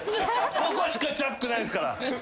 ここしかチャックないんすから。